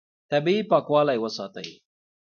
طبیعي پاکوالی وساتئ.